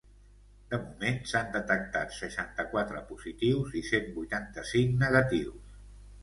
De moment, s’han detectat seixanta-quatre positius i cent vuitanta-cinc negatius.